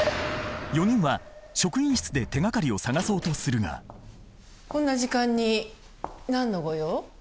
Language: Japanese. ４人は職員室で手がかりを探そうとするがこんな時間に何のご用？